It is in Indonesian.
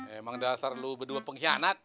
emang dasar lo berdua pengkhianat